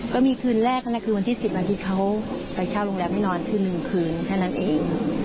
ก็มีคืนแรกนั่นแหละคือวันที่๑๐วันที่เขาไปเช่าโรงแรมให้นอนคือ๑คืนแค่นั้นเอง